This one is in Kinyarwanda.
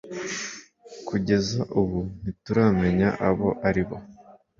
Kugeza ubu ntituramenya abo ari bo;